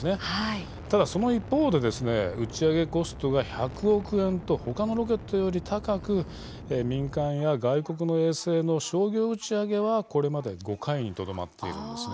ただ、その一方で打ち上げコストが１００億円とほかのロケットより高く民間や外国の衛星の商業打ち上げは、これまで５回にとどまっているんです。